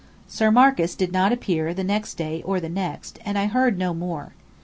Sir Marcus did not appear the next day or the next, and I heard no more.